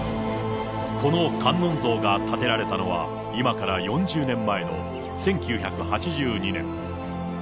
この観音像が建てられたのは、今から４０年前の１９８２年。